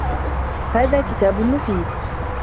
هَذَا كِتَابٌ مُفِيدٌ.